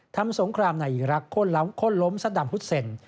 ทำสงครามในอีรักษ์โค้ดล้มสัตว์ดำฮุทเซน